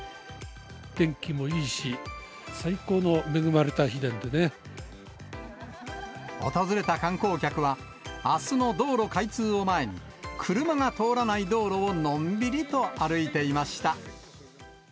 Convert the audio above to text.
天気もいいし、訪れた観光客は、あすの道路開通を前に、車が通らない道路をのんびりと歩いていました。